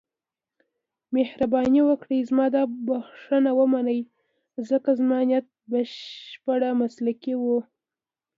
مهرباني وکړئ زما دا بښنه ومنئ، ځکه زما نیت بشپړ مسلکي و.